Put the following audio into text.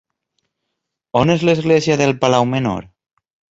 On és l'església del Palau Menor?